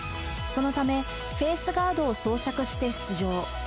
そのため、フェースガードを装着して出場。